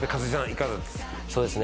いかがです？